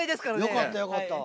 よかったよかった。